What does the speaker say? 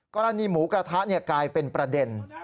กรณีหมูกระทะกลายเป็นประเด็น